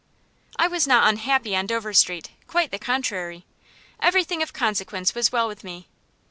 I was not unhappy on Dover Street; quite the contrary. Everything of consequence was well with me.